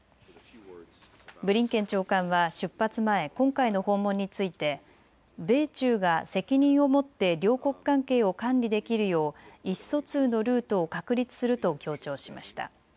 ブリンケン長官は出発前、今回の訪問について米中が責任を持って両国関係を管理できるよう意思疎通のルートを確立すると強調しました。